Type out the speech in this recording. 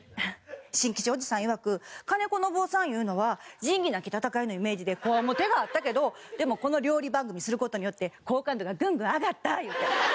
新吉おじさんいわく金子信雄さんいうのは『仁義なき戦い』のイメージでこわもてがあったけどでもこの料理番組する事によって好感度がグングン上がったいうて。